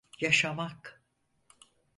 Yaşamak…